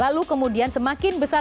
lalu kemudian semakin banyak